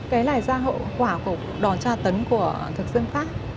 cái này ra hậu quả của đò tra tấn của thực dân pháp